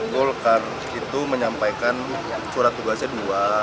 golkar itu menyampaikan surat tugasnya dua